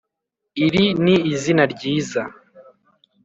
iri ni izina ryiza